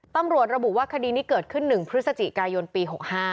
ตำรวจระบุว่าคดีนี้เกิดขึ้น๑พฤศจิกายนปี๖๕